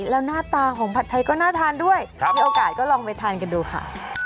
แล้วหน้าตาของผัดไทยก็น่าทานด้วยมีโอกาสก็ลองไปทานกันดูค่ะ